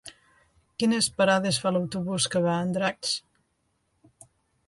Quines parades fa l'autobús que va a Andratx?